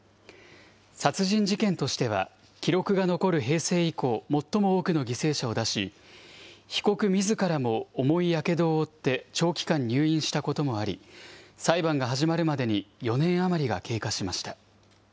殺人事件としては、記録が残る平成以降最も多くの犠牲者を出し、被告みずからも重いやけどを負って長期間入院したこともあり、裁判が始まるまでに４年余りが経過しました。